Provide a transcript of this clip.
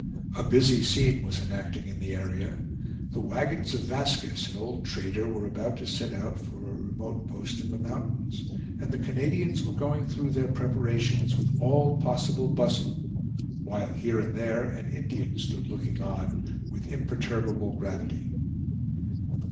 A busy scene was enacting in the area. The wagons of Vaskiss, an old trader, were about to set out for a remote post in the mountains, and the Canadians were going through their preparations with all possible bustle, while here and there an Indian stood looking on with imperturbable gravity.